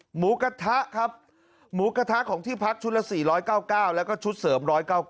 หมูกระทะครับหมูกระทะของที่พักชุดละ๔๙๙แล้วก็ชุดเสริม๑๙๙